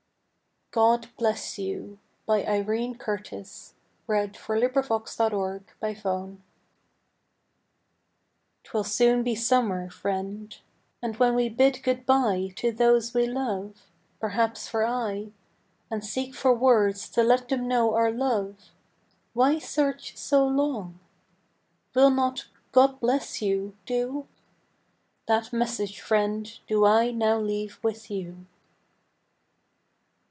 ill Beneath the shade. 43 Preludes of Poetry and Music "GOD BLESS YOU" T WILL soon be summer, friend, And when we bid goodbye to those we love, Perhaps for aye, And seek for words to let them know our love, Why search so long? Will not "God bless you," do? That message, friend, do I now leave with you.